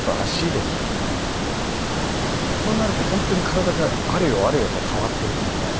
となると本当に体があれよあれよと変わっていくので。